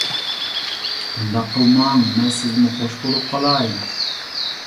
-ئۇنداق قىلماڭ، مەن سىزدىن خوش بولۇپ قالاي.